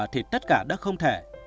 thì tất cả đã không thể